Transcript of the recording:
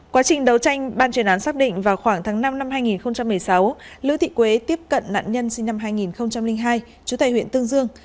quá trình đấu tranh ban truyền án xác định vào khoảng tháng năm năm hai nghìn một mươi sáu lữ thị quế tiếp cận nạn nhân sinh năm hai nghìn hai chú tại huyện tương dương